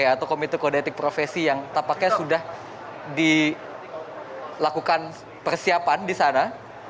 atau komite kode etik profesi yang tampaknya sudah dilakukan persiapan di sana